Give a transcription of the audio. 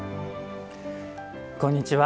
こんにちは。